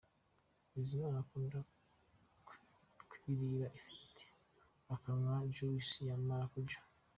Bizimana akunda kwirira ifiriti, akanwa Juice ya Marakuja.